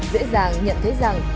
dễ dàng nhận thấy rằng